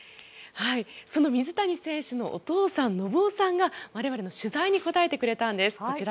その水谷選手のお父さん信雄さんが我々の取材に答えてくれたんです。